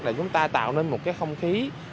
để chúng ta tạo nên một không khí